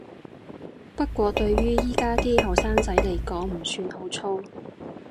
不過對於而家啲後生仔來講唔算好粗